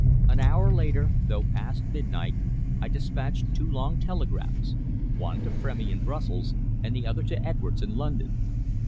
An hour later, though past midnight, I despatched two long telegrams one to Frémy in Brussels, and the other to Edwards in London.